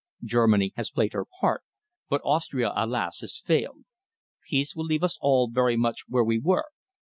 Germany has played her part, but Austria, alas! has failed. Peace will leave us all very much where we were.